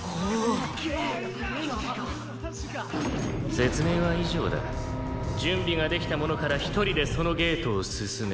「説明は以上だ」「準備ができた者から１人でそのゲートを進め」